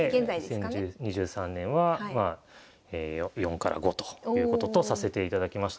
２０２３年は４５ということとさせていただきました。